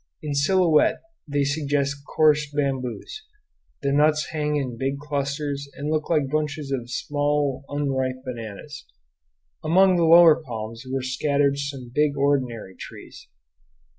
In silhouette they suggest coarse bamboos; the nuts hang in big clusters and look like bunches of small, unripe bananas. Among the lower palms were scattered some big ordinary trees.